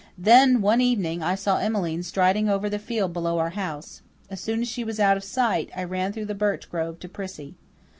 Then, one evening, I saw Emmeline striding over the field below our house. As soon as she was out of sight I ran through the birch grove to Prissy.